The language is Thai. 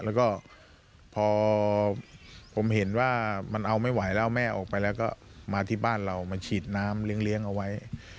แล้วก็พอผมเห็นว่ามันเอาไม่ไหวแล้วแม่ออกไปแล้วก็มาที่บ้านเรามันฉีดน้ำเลี้ยงเอาไว้